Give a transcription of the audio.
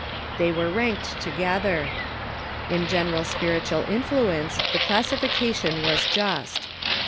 They w^ere ranked together. In a general spiritual influence the classi *6"rha^rd'* ^^'^^ion was just.